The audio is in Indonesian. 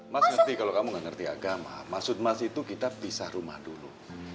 mas ngerti kalau kamu nggak ngerti agama maksud mas itu kita pisah rumah dulu